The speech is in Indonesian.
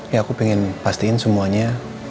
ya aku pengen pastiin semuanya